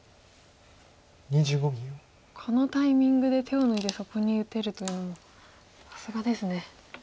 このタイミングで手を抜いてそこに打てるというのもさすがですね。